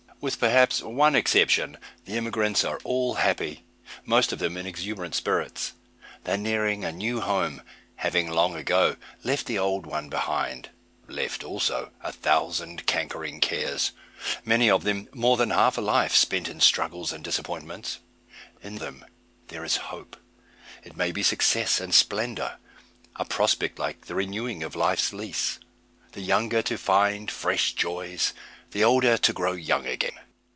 With perhaps one exception, the emigrants are all happy, most of them in exuberant spirits. They are nearing a new home, having long ago left the old one behind; left also a thousand cankering cares, many of them more than half a life spent in struggles and disappointments. In the untried field before them there is hope; it may be success and splendour; a prospect like the renewing of life's lease, the younger to find fresh joys, the older to grow young again.